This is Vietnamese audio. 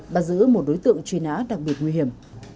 bắt giữ một đối tượng truy nã đặc biệt nguy hiểm